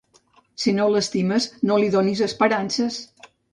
Si no l'estimes, no li donis esperances.